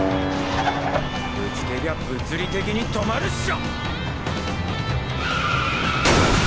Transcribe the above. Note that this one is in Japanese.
ぶつけりゃ物理的に止まるっしょ！！